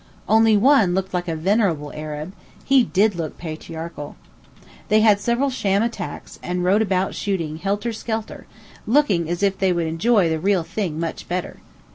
Only one looked like a venerable Arab he did look patriarchal. They had several sham attacks, and rode about shooting helter skelter, looking as if they would enjoy the real thing much better.